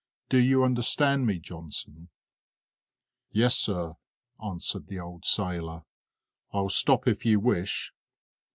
Do you understand me, Johnson?" "Yes, sir," answered the old sailor, "I'll stop if you wish."